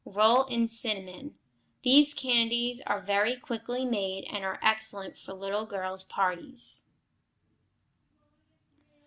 Roll in cinnamon. These candies are very quickly made, and are excellent for little girls' parties.